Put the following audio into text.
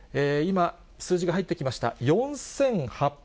今、数字が入ってきました。